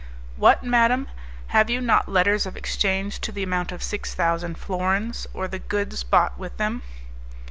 "What, madam! Have you not letters of exchange to the amount of six thousand florins, or the goods bought with them?"